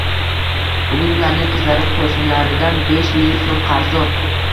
Bugun ularning qizlari qo'shnilaridan besh ming so'm qarzdor